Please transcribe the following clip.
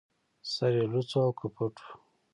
سر يې لڅ و او که پټ و